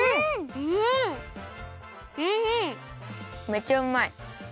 めちゃうまい。